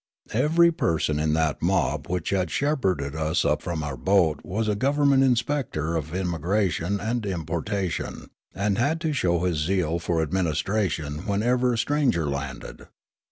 Ever}' person in that mob which had shepherded us up from our boat was a government inspector of immigration and importation, and had to show his zeal for administration whenever a stranger landed.